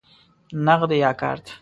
نغدی یا کارت؟